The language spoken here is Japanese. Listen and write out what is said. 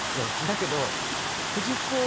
だけど藤子